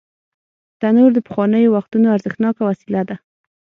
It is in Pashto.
تنور د پخوانیو وختونو ارزښتناکه وسیله ده